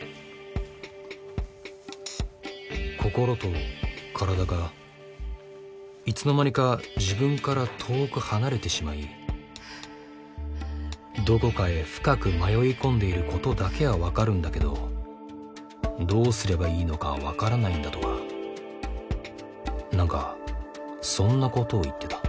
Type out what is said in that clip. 心と体がいつの間にか自分から遠く離れてしまいどこかへ深く迷い込んでいることだけはわかるんだけどどうすればいいのかはわからないんだとか何かそんなことを言ってた。